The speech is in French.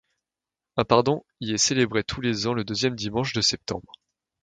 Un pardon y est célébré tous les ans le deuxième dimanche de septembre.